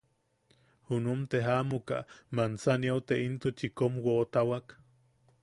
Junum te jaʼamuka, Manzaniau te intuchi kom woʼotawak.